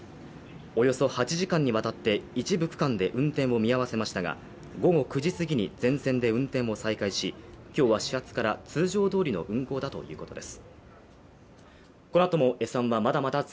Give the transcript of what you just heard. およそ８時間にわたって一部区間で運転を見合わせましたが午後９時すぎに全線で運転を再開し今日は始発から通常どおりの運行だということです。